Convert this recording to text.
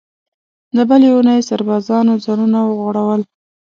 د بلې اوونۍ سربازانو ځانونه وغوړول.